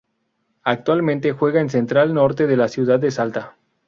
Actualmente juega en Central Norte de la Ciudad de Salta.